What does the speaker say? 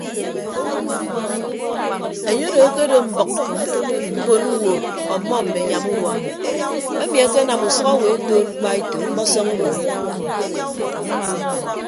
Enye odo akedo mbʌk mbon ñwo ọmmọ mme anyam urua emi ekenam usʌk owo ekoot mkpaeto ọkpọsọñ obio.